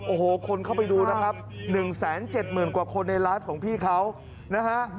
โอ้โหคนเข้าไปดูนะครับ๑๗๐๐๐กว่าคนในไลฟ์ของพี่เขานะฮะ